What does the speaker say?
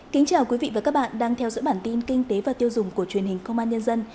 kính chào quý vị và các bạn đang theo dõi bản tin kinh tế và tiêu dùng của truyền hình công an nhân dân